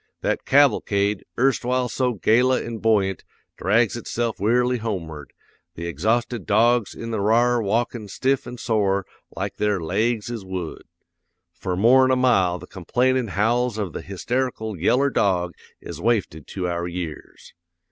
That cavalcade, erstwhile so gala an' buoyant, drags itself wearily homeward, the exhausted dogs in the r'ar walkin' stiff an' sore like their laigs is wood. For more'n a mile the complainin' howls of the hysterical yeller dog is wafted to our years.